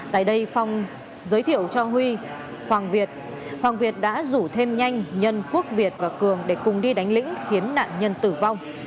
tại đây phong giới thiệu cho huy hoàng việt hoàng việt đã rủ thêm nhanh nhân quốc việt và cường để cùng đi đánh lĩnh khiến nạn nhân tử vong